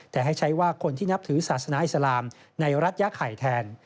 แต่ให้ใช้ว่าคนที่นับถือศาสนาอิสลามในรัฐยาไข่แทน